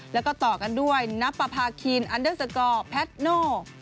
แล้วก็ต่อกันด้วยนัปภาคีนแพทโน